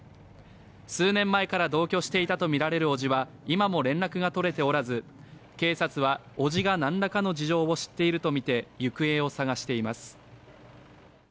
数年前から同居していたとみられる伯父は今も連絡が取れておらず、警察は伯父が何らかの事情を知っているとみて行方を捜しています。